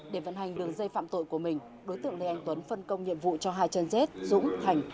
để vận hành đường dây phạm tội của mình đối tượng lê anh tuấn phân công nhiệm vụ cho hai chân rết dũng thành